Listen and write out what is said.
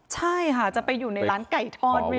ใช่ค่ะจะไปอยู่ในร้านไก่ทอดด้วย